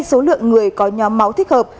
số lượng người có nhóm máu thích hợp